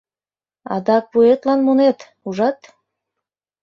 Адак вуетлан мунет, ужат?!